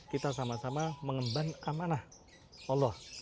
kita sama sama mengemban amanah allah